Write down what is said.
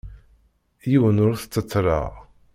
Yiwen ur t-ttettleɣ.